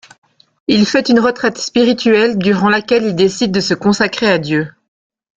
Il fait une retraite spirituelle durant laquelle il décide de se consacrer à Dieu.